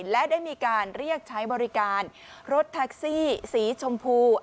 และได้มีการเรียกใช้บริการรถแท็กซี่สีชมพู